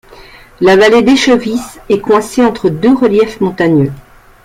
La vallée d'Echevis est coincée entre deux reliefs montagneux.